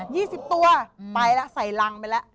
ยี่สิบตัวไปล่ะใส่หลังไปล่ะ